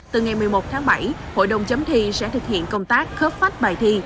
từ ngày một mươi một tháng bảy hội đồng chấm thi sẽ thực hiện công tác khớp phách bài thi